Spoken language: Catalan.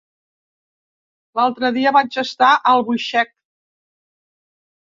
L'altre dia vaig estar a Albuixec.